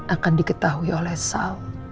akan diketahui oleh sal